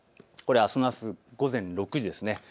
これは、あすの午前６時です。